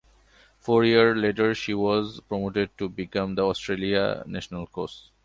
Four years later she was promoted to become the Australia national coach.